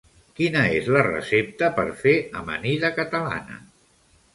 Quina és la recepta per fer amanida catalana?